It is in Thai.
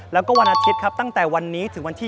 แล้วก็วันอาทิตย์ครับตั้งแต่วันนี้ถึงวันที่